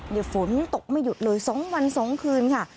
เดี๋ยวฝนตกไม่หยุดเลย๒วัน๒คืนค่ะ